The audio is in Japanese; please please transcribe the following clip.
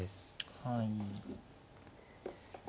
はい。